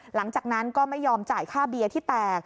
หลังจากนั้นก็ไม่ยอมจ่ายค่าเบียร์ที่แตก